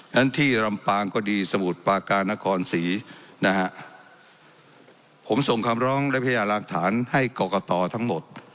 ฉะที่ลำปางก็ดีสมุทรปาการศรีนะฮะผมส่งคำร้องและพญาหลักฐานให้กรกตทั้งหมด